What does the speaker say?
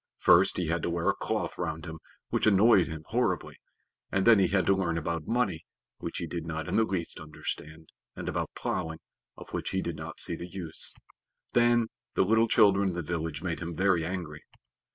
First he had to wear a cloth round him, which annoyed him horribly; and then he had to learn about money, which he did not in the least understand, and about plowing, of which he did not see the use. Then the little children in the village made him very angry.